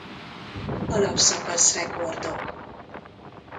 Alapszakasz rekordok